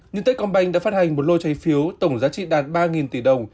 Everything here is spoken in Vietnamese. nhân tết công banh đã phát hành một lô trái phiếu tổng giá trị đạt ba tỷ đồng